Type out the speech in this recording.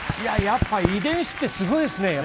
やっぱ遺伝子ってすごいですね。